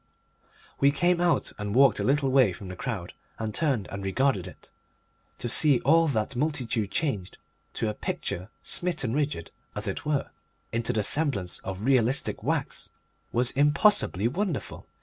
We came out and walked a little way from the crowd, and turned and regarded it. To see all that multitude changed, to a picture, smitten rigid, as it were, into the semblance of realistic wax, was impossibly wonderful.